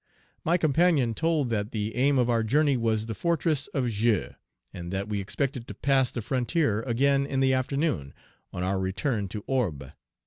My companion told that the aim of our journey was the fortress of Joux; and that we expected to pass the frontier again in the afternoon, on our return to Orbe.